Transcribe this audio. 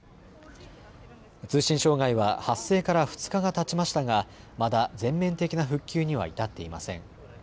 通信障害は発生から２日がたちましたが、まだ全面的な復旧には至っていません。